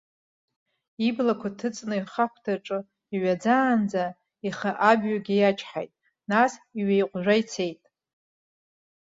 Иблақәа ҭыҵны ихагәҭаҿы иҩаӡаанӡа ихы абаҩгьы иачҳаит, нас иҩеиҟәжәа ицеит.